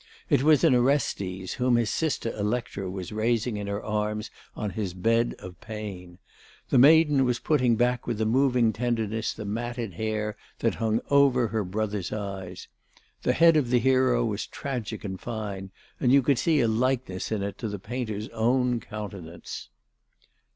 It was an Orestes whom his sister Electra was raising in her arms on his bed of pain. The maiden was putting back with a moving tenderness the matted hair that hung over her brother's eyes. The head of the hero was tragic and fine, and you could see a likeness in it to the painter's own countenance.